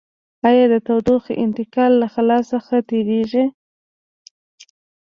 آیا د تودوخې انتقال له خلاء څخه تیریږي؟